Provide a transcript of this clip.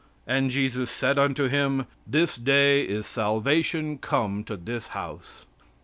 And Jesus said unto him, 'This day is salvation come to this house.'"